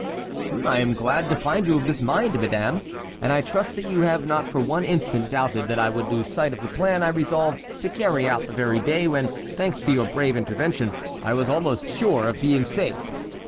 "I am glad to find you of this mind, madame, and I trust that you have not for one instant doubted that I would lose sight of the plan I resolved to carry out the very day when, thanks to your brave intervention, I was almost sure of being safe."